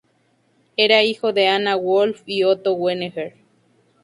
Era hijo de Anna Wolff y Otto Wegener.